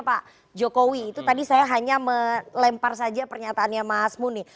pak jokowi itu tadi saya hanya melempar saja pernyataannya mas muni